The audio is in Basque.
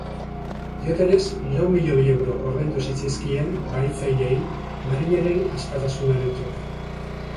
Diotenez, lau miloi euro ordaindu zitzaizkien bahitzaileei, marinelen askatasunaren truke.